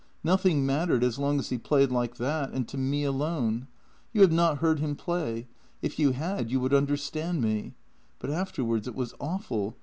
Nothing mattered as long as he played like that, and to me alone. You have not heard him play; if you had, you would understand me. But afterwards it was awful.